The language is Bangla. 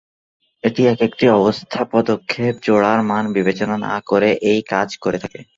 এটি একেকটি অবস্থা পদক্ষেপ জোড়ার মান বিবেচনা না করে এই কাজ করে থাকে।